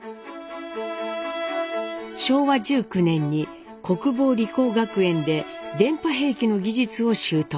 昭和１９年に国防理工学園で電波兵器の技術を習得。